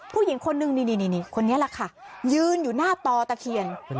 ผู้หญิงคนนึงนี่คนนี้แหละค่ะยืนอยู่หน้าตอตะเคียน